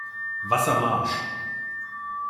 Wasser marsch!